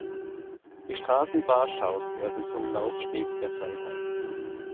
Die Straßen Warschaus werden zum Laufsteg der Freiheit.